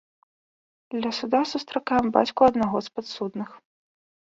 Ля суда сустракаем бацьку аднаго з падсудных.